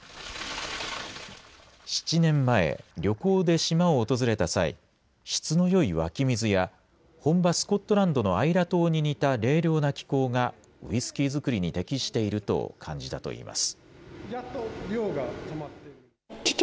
７年前、旅行で島を訪れた際、質のよい湧き水や、本場、スコットランドのアイラ島に似た冷涼な気候がウイスキー造りに適していると感じたといいます。